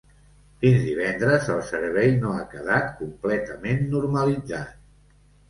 Fins divendres el servei no ha quedat completament normalitzat.